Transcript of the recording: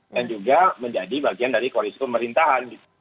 yang juga menjadi bagian dari kualisi pemerintahan